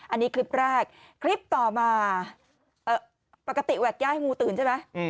อันนี้คลิปแรกคลิปต่อมาปกติแวดย่าให้งูตื่นใช่ไหม